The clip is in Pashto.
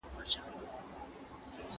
تمرين موږ ته پرمختګ راکوي.